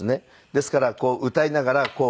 ですから歌いながらこう。